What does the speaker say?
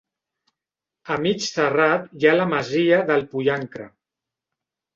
A mig serrat hi ha la masia del Pollancre.